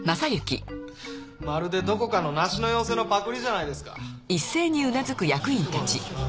まるでどこかの梨の妖精のパクリじゃないですか。